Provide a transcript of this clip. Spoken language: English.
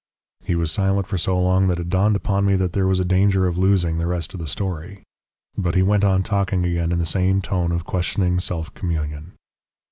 He was silent for so long that it dawned upon me that there was a danger of losing the rest of the story. But he went on talking again in the same tone of questioning self communion.